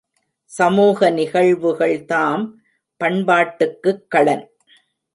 சமூக நிகழ்வுகள் தாம் பண்பாட்டுக்குக் களன்.